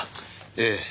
ええ。